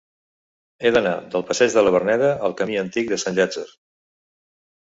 He d'anar del passeig de la Verneda al camí Antic de Sant Llàtzer.